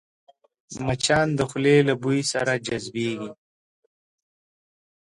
مچان د خولې له بوی سره جذبېږي